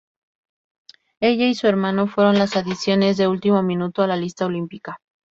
Ella y su hermano fueron las adiciones de último minuto a la lista olímpica.